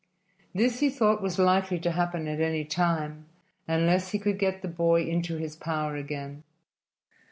This he thought was likely to happen at any time, unless he could get the boy into his power again.